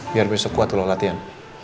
biar bisa kuat loh latihan